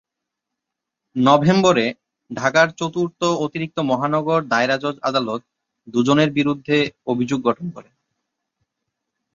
নভেম্বরে ঢাকার চতুর্থ অতিরিক্ত মহানগর দায়রা জজ আদালত দু’জনের বিরুদ্ধে অভিযোগ গঠন করেন।